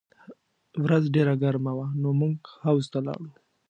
ورځ ډېره ګرمه وه نو موږ حوض ته لاړو